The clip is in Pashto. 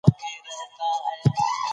تعلیم نجونو ته د دوستۍ ارزښت ور زده کوي.